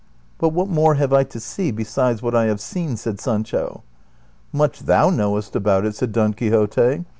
" But what more have I to see besides what I have seen ?" said Sancho. " Much thou knowest about it !" said Don Quixote.